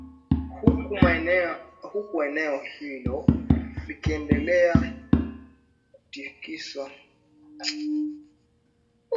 Huku eneo hilo likiendelea kutikiswa na tatizo la virusi vya korona katika kufufua uchumi wa taifa.